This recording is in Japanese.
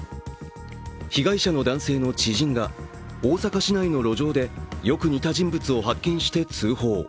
被害者の男性の知人が、大阪市内の路上でよく似た人物を発見して通報。